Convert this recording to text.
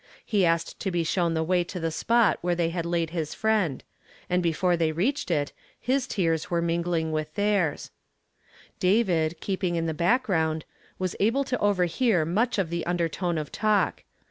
He asked to be shown the way to the spot where they had laid his friend; and before they reached it, his tears were mingliiiir with theii s. David, keeping in the background, was able to overhear nnudi of the undertone of talk.